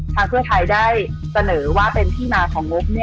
เพื่อไทยได้เสนอว่าเป็นที่มาของงบ